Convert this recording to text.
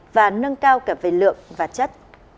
và nâng cao cả về lượng và chất